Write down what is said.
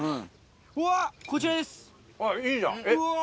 うわっ、こちらです。